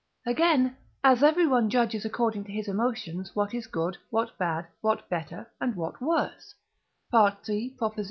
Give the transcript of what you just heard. Again, as everyone judges according to his emotions what is good, what bad, what better, and what worse (III.